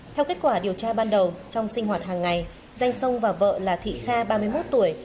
theo kết quả điều tra ban đầu trong sinh hoạt hàng ngày danh sông và vợ là thị kha ba mươi một tuổi